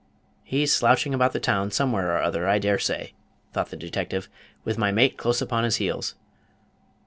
"He's slouching about the town somewhere or other, I dare say," thought the detective, "with my mate close upon his heels.